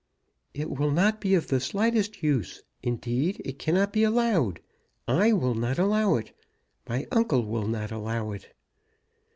"It will not be of the slightest use; indeed, it cannot be allowed. I will not allow it. My uncle will not allow it."